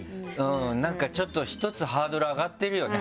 なんかちょっと１つハードル上がってるよね